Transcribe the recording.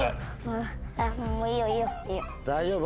大丈夫？